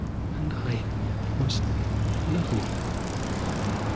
And I was alone....